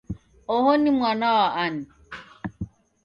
Oho ni mwana wa ani?